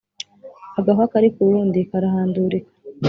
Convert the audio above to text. Agahwa kari k’uwundi karahandurika.